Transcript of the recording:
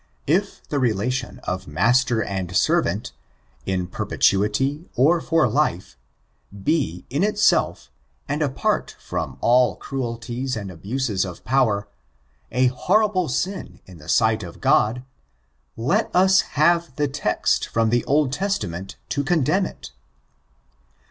If the relation of master and servant, in perpetuity or for life» be, in itself, and apart from all cruelties and abuse* of power, a horrible sin in the sight of Qod, let us have the text from the Old Testament to condemn it.